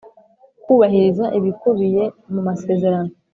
kubahiriza ibikubiye mu masezerano